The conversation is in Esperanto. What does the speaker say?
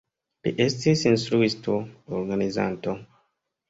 Li estis instruisto, organizanto.